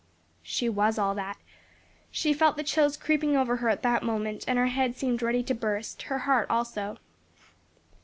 She was all that; she felt the chills creeping over her at that moment, and her head seemed ready to burst; her heart also.